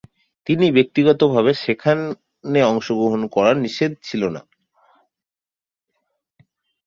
কিন্তু ব্যক্তিগতভাবে সেখানে অংশগ্রহণ করা নিষেধ ছিল না।